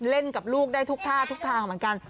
เล่นกับลูกได้ทุกท่าทุกทางเหมือนกัน